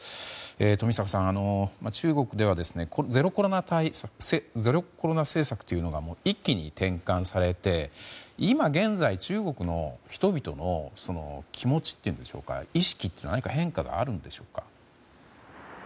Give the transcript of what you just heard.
冨坂さん、中国ではゼロコロナ政策というのが一気に転換されて今現在、中国の人々の気持ちというんでしょうか意識には何か変化があるんでしょうか。